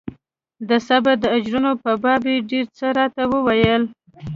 د صبر د اجرونو په باب يې ډېر څه راته وويل.